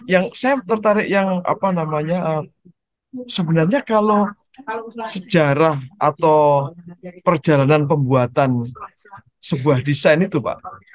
yang saya tertarik yang apa namanya sebenarnya kalau sejarah atau perjalanan pembuatan sebuah desain itu pak